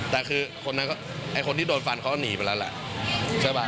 แต่คือไอ้คนที่โดนฟันเขาหนีไปแล้วแหละใช่ป่ะ